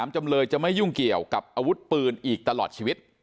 จำเลยจะไม่ยุ่งเกี่ยวกับอาวุธปืนอีกตลอดชีวิต